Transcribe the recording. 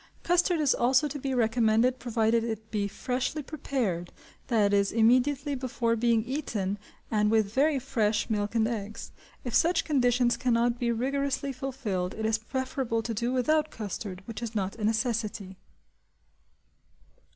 Custard is also to be recommended provided it be freshly prepared, that is immediately before being eaten, and with very fresh milk and eggs: if such conditions cannot be rigorously fulfilled, it is preferable to do without custard, which is not a necessity.